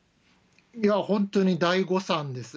本当に大誤算です。